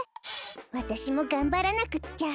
わたしもがんばらなくっちゃ。